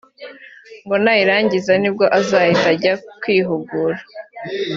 ngo nayirangiza nibwo azahita ajya kwihugura